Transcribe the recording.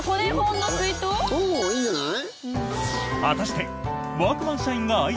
いいんじゃない？